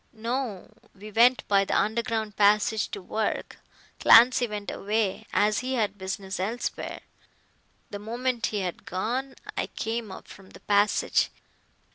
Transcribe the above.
"No. We went by the underground passage to work. Clancy went away, as he had business elsewhere. The moment he had gone I came up from the passage.